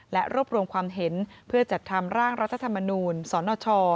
และรวบรวมความเห็นเพื่อจัดทำร่างรัฐธรรมนูลสนช